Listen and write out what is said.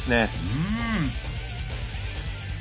うん。